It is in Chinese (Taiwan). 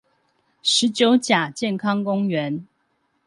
十九甲健康公園